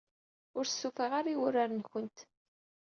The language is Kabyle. Ur stufaɣ ara i wurar-nwent.